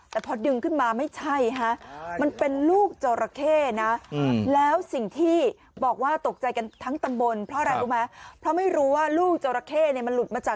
แต่พอดึงขึ้นมาไม่ใช่ฮะมันเป็นลูกเจอร์ราเคนะ